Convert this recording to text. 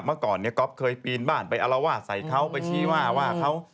เมื่อก่อนเนี่ยก๊อฟเคยปีนบ้านไปอารวาสใส่เขาไปชี้ว่าว่าเขา